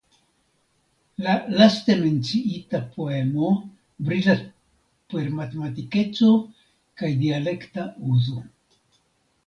La laste menciita poemo brilas per matematikeco kaj dialekta uzo.